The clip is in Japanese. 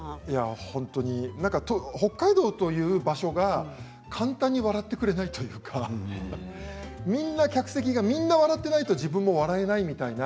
本当に北海道という場所が簡単に笑ってくれないというかみんな、客席がみんな笑ってないと自分も笑えないみたいな。